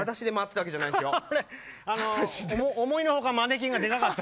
はだしで思いのほかマネキンがでかかった。